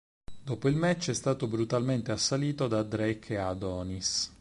Dopo il match è stato brutalmente assalito da Drake e Adonis.